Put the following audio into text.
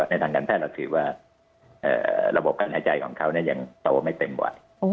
ทางการแพทย์เราถือว่าระบบการหายใจของเขายังโตไม่เต็มวัย